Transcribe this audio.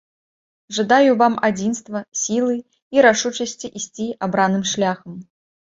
Жадаю вам адзінства, сілы і рашучасці ісці абраным шляхам.